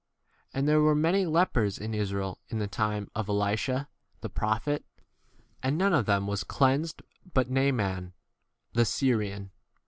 And there were many lepers in Israel in the time of Elisha the prophet, and none of them was cleansed 28 but Naaman the Syrian.